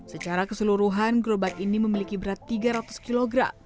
secara keseluruhan gerobak ini memiliki berat tiga ratus kg